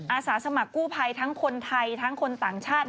อาสาสมัครกู้ภัยทั้งคนไทยทั้งคนต่างชาติ